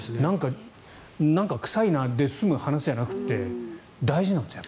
なんか臭いなで済む話じゃなくて大事なんですよ。